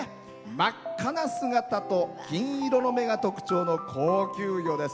真っ赤な姿と金色の目が特徴の高級魚です。